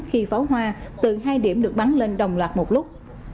khi pháo hoa từ hai điểm được bắn lên đồng loạt một lúc